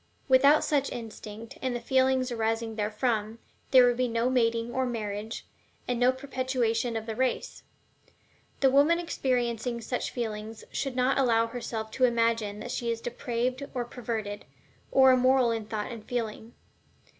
Without such instinct and the feelings arising therefrom, there would be no mating or marriage, and no perpetuation of the race. The woman experiencing such feelings should not allow herself to imagine that she is depraved or perverted, or immoral in thought and feeling.